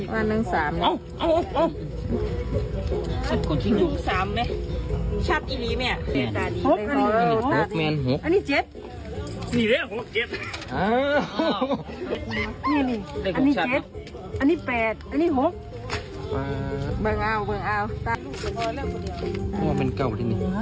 มันเก้าที่นี่ตัวนี้